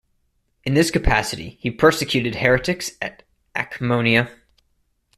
In this capacity he persecuted heretics at Akmoneia.